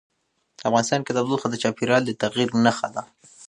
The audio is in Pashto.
افغانستان کې تودوخه د چاپېریال د تغیر نښه ده.